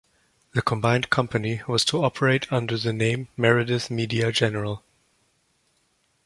The combined company was to operate under the name Meredith Media General.